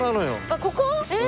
あっここ？